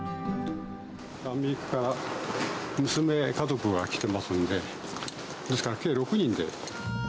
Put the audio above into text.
アメリカから娘家族が来ていますので、ですから計６人で。